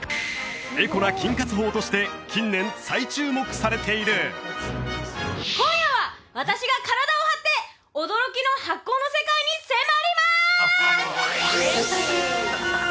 エコな菌活法として近年再注目されている今夜は私が体を張って驚きの発酵の世界に迫ります！